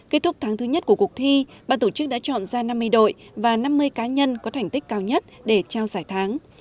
kết thúc tháng thứ nhất của cuộc thi ban tổ chức đã chọn ra năm mươi đội và năm mươi cá nhân có thành tích cao nhất để trao giải tháng